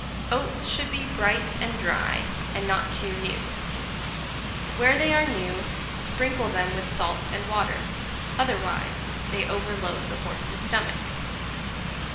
Oats should be bright and dry, and not too new. Where they are new, sprinkle them with salt and water; otherwise, they overload the horse's stomach.